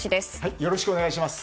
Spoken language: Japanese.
よろしくお願いします。